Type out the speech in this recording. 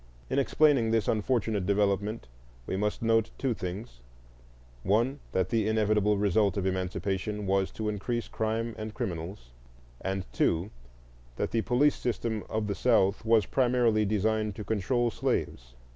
In explaining this unfortunate development, we must note two things: (1) that the inevitable result of Emancipation was to increase crime and criminals, and (2) that the police system of the South was primarily designed to control slaves.